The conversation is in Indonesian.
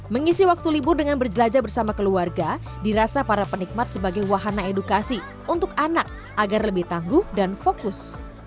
mengisi waktu libur dengan berjelajah bersama keluarga dirasa para penikmat sebagai wahana edukasi untuk anak agar lebih tangguh dan fokus